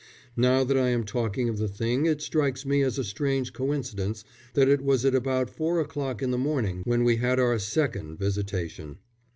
Now that I am talking of the thing it strikes me as a strange coincidence that it was at about four o'clock in the morning when we had our second visitation.